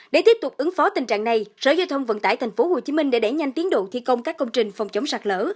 để tiếp tục ứng phó tình trạng này sở giao thông vận tải tp hcm đã đẩy nhanh tiến độ thi công các công trình phòng chống sạt lỡ